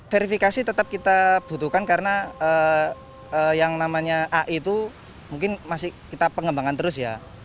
verifikasi tetap kita butuhkan karena yang namanya ai itu mungkin masih kita pengembangan terus ya